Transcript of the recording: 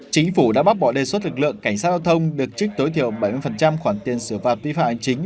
chính phủ đã bác bỏ đề xuất lực lượng cảnh sát giao thông được trích tối thiểu bảy mươi khoản tiền xử phạt vi phạm hành chính